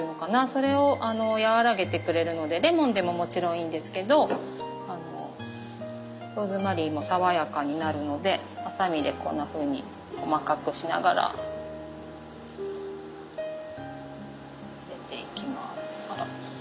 それを和らげてくれるのでレモンでももちろんいいんですけどローズマリーも爽やかになるのでハサミでこんなふうに細かくしながら入れていきます。